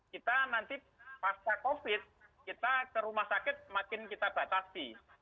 kita nanti pasca covid kita ke rumah sakit makin kita batasi